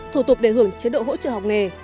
thủ tục để hưởng chế độ hỗ trợ học nghề